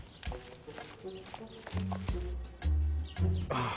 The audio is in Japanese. ああ。